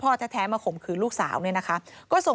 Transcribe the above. โปรดติดตามต่างกรรมโปรดติดตามต่างกรรม